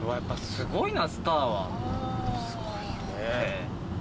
すごいな。